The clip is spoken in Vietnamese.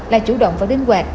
là chủ động và đinh hoạt